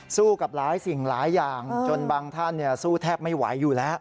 สู้กับหลายสิ่งหลายอย่างจนบางท่านสู้แทบไม่ไหวอยู่แล้ว